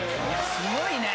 すごいね。